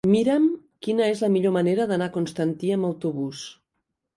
Mira'm quina és la millor manera d'anar a Constantí amb autobús.